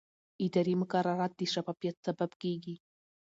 اداري مقررات د شفافیت سبب کېږي.